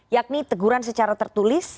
yakni teguran secara tertulis